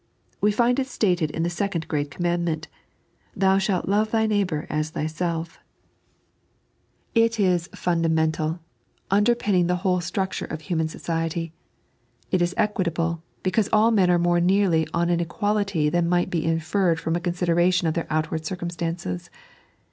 We find it stated in the second great commandment :" Thou shalt love thy neighbour as thyself." It is Jimdammitai, underpinning the whole 3.n.iized by Google 180 The Kotaltt of oue Life. structure of human society. It is egviit(^>te, because all men are more nearly on an equality than might be infeired from a ootuddenition of their outward circumstances.